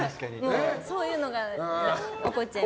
そういうのが怒っちゃいます。